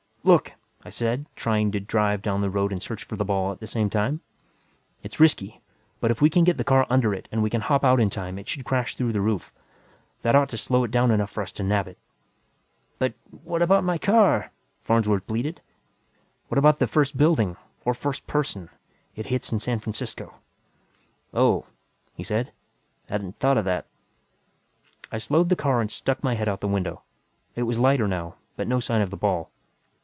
"Look," I said, trying to drive down the road and search for the ball at the same time. "It's risky, but if I can get the car under it and we can hop out in time, it should crash through the roof. That ought to slow it down enough for us to nab it." "But what about my car?" Farnsworth bleated. "What about that first building or first person it hits in San Francisco?" "Oh," he said. "Hadn't thought of that." I slowed the car and stuck my head out the window. It was lighter now, but no sign of the ball.